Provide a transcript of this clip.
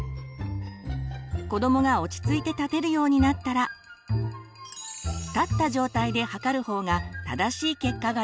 子どもが落ち着いて立てるようになったら立った状態で測る方が正しい結果が出ます。